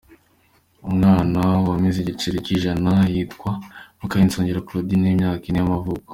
Umwana wamize igiceri cy’ijana yitwa Mukaniyonsenga Claudine w’imyaka ine y’amavuko.